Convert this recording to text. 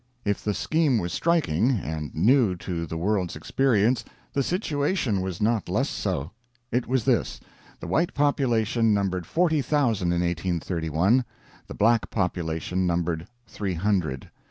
If the scheme was striking, and new to the world's experience, the situation was not less so. It was this. The White population numbered 40,000 in 1831; the Black population numbered three hundred.